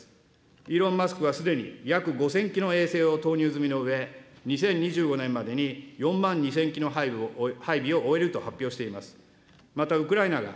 イーロン・マスクは、すでに約５０００機の衛星を投入済みのうえ、２０２５年までに４万２０００機の配備を終えると発表しています。